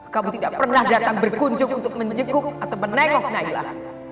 kamu tidak pernah datang berkunjung untuk menjenguk atau menengok naila